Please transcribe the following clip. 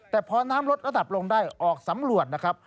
แต่พอน้ำลดระดับลงได้ออกสำรวจนะครับ